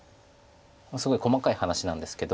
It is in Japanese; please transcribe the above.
すごい細かい話なんですけど。